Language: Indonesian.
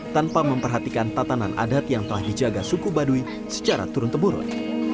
tanpa memperhatikan tatanan adat yang telah dijaga suku baduy secara turun temurun